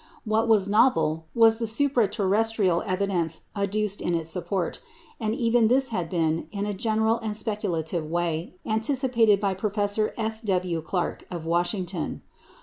What was novel was the supra terrestrial evidence adduced in its support; and even this had been, in a general and speculative way, anticipated by Professor F. W. Clarke of Washington.